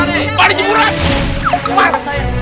dia maling jemuran tadi